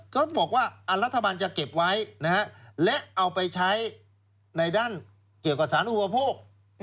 เขาบอกว่ารัฐบาลจะเก็บไว้และเอาไปใช้ในด้านเกี่ยวกับสารอุปโภค